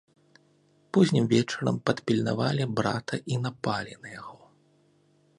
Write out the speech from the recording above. Познім вечарам падпільнавалі брата і напалі на яго.